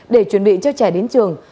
để chuẩn bị cho trẻ đến trường